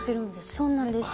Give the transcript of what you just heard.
そうなんです。